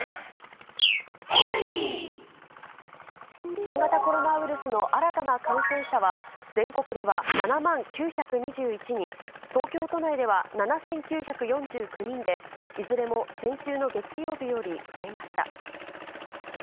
新型コロナウイルスの新たな感染者は、全国では７万９２１人、東京都内では７９４９人で、いずれも先週の月曜日より増えました。